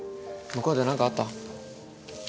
向こうで何かあった？